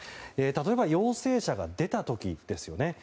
例えば陽性者が出た時です。